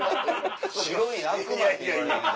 白い悪魔っていわれてきた。